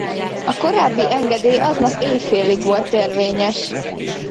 A korábbi engedély aznap éjfélig volt érvényes.